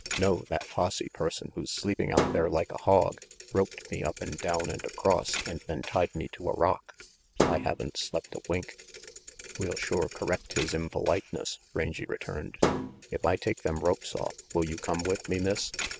No, that posse person who's sleeping out there like a hog, roped me up and down and across and then tied me to a rock. I haven't slept a wink." "We'll shore correct his impoliteness," Rangy returned. "If I take them ropes off will you come with me, Miss?"